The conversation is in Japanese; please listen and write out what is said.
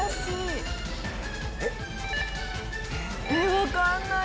分かんない。